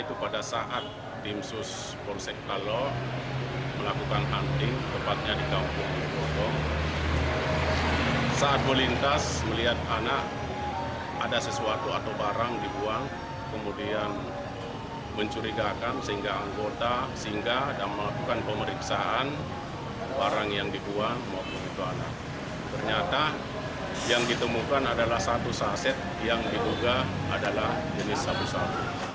kepada polisi ia mengaku mendapat narkoba tersebut dari temannya yang masih duduk di bangku sekolah dasar